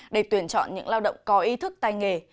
để tuyển chọn những lao động có ý thức tài nghề